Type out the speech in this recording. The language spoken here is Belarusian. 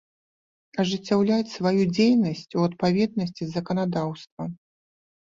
Ажыццяўляць сваю дзейнасць у адпаведнасцi з заканадаўствам.